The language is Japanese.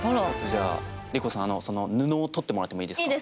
じゃあ莉子さんその布を取ってもらってもいいですか。